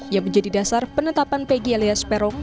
yang menjadi dasar penetapan peggy alias perong